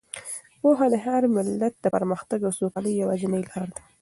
پوهه د هر ملت د پرمختګ او سوکالۍ یوازینۍ لاره ده.